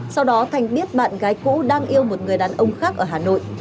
sau đó thành biết bạn gái cũ đang yêu một người đàn ông khác ở hà nội